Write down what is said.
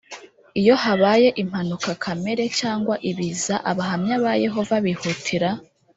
Iyo habaye impanuka kamere cyangwa ibiza Abahamya ba Yehova bihutira